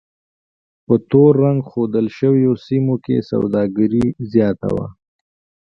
په تور رنګ ښودل شویو سیمو کې سوداګري زیاته وه.